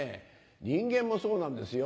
人間もそうなんですよ。